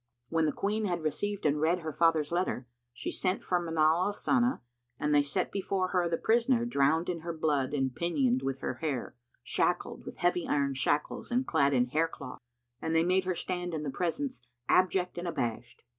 When the Queen had received and read her father's letter, she sent for Manar al Sana and they set before her the prisoner drowned in her blood and pinioned with her hair, shackled with heavy iron shackles and clad in hair cloth; and they made her stand in the presence abject and abashed.